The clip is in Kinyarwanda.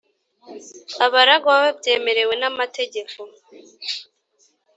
abaragwa babyemerewe n’amategeko,